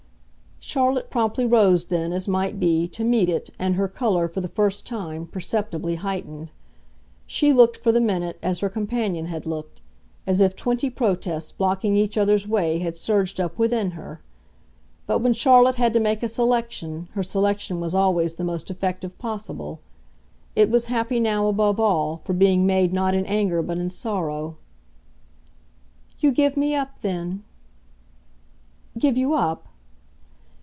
Charlotte promptly rose then, as might be, to meet it, and her colour, for the first time, perceptibly heightened. She looked, for the minute, as her companion had looked as if twenty protests, blocking each other's way, had surged up within her. But when Charlotte had to make a selection, her selection was always the most effective possible. It was happy now, above all, for being made not in anger but in sorrow. "You give me up then?" "Give you up